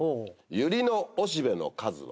ユリのおしべの数は？